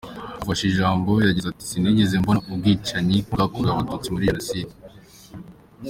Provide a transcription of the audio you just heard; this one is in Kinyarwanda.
Afashe ijambo yagize ati “Sinigeze mbona ubwicanyi nk’ubwakorewe Abatutsi muri Jenoside.